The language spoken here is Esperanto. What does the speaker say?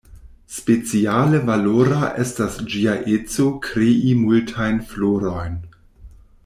Speciale valora estas ĝia eco krei multajn florojn.